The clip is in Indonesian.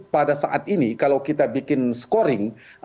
pada saat ini kalau kita bikin scoring